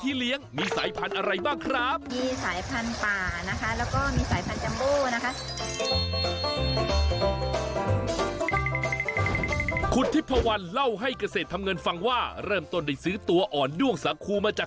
ที่เลี้ยงมีสายพันธ์อะไรบ้างครับชายพันธ์ป่าน่ะป่าน่ะกดที่ภาวะเล่าให้เกษตรทำเงินฟังว่าเริ่มต้นและซื้อตัวอ่อนด้วงสาครูมาจาก